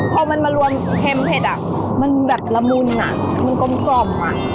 พอมันมารวมเค็มเผ็ดอ่ะมันแบบละมุนอ่ะมันกลมอ่ะ